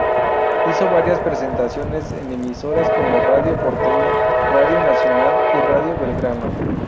Hizo varias presentaciones en emisoras como Radio Porteña, Radio Nacional y Radio Belgrano.